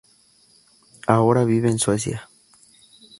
Ahora vive en Suecia.